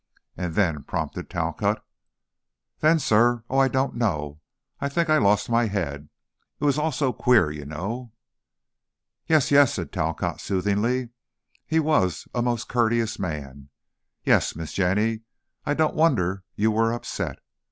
"And then?" prompted Talcott. "Then, sir, oh, I don't know, I think I lost my head it was all so queer, you know " "Yes, yes," said Talcott, soothingly, he was a most courteous man, "yes, Miss Jenny, I don't wonder you were upset.